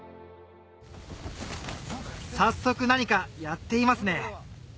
早速何かやっていますね